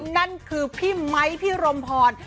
นั่นคือพี่ไมค์พี่รมพร